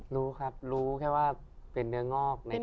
รู้ครับรู้แค่ว่าเป็นเนื้องอก